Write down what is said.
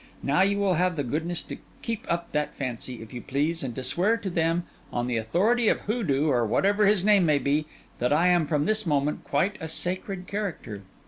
Now, you will have the goodness to keep up that fancy, if you please; and to swear to them, on the authority of Hoodoo or whatever his name may be, that I am from this moment quite a sacred character.